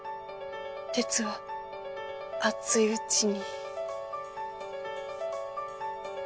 鉄は熱いうちに。